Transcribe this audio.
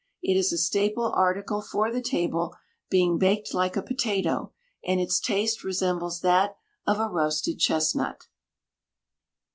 It is a staple article for the table, being baked like a potato, and its taste resembles that of a roasted chestnut.